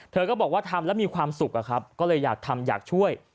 เธอก็บอกว่าทำแล้วมีความสุขอะครับก็เลยอยากทำอยากช่วย